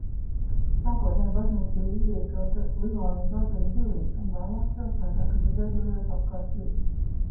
Sākotnēji baznīca bija izvietota Livonijas ordeņa pilī un vēlāk pilsētā, kas izveidojās apkārt pilij.